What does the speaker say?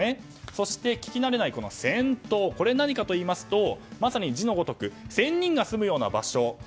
そして聞き慣れない仙洞、何かといいますとまさに、字のごとく仙人が住むような場所。